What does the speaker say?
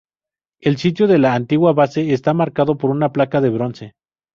El sitio de la antigua base está marcado por una placa de bronce.